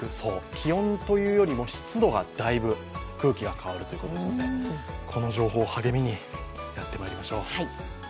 気温というよりも湿度がだいぶ、空気が変わるということですのでこの情報を励みにやってまいりましょう。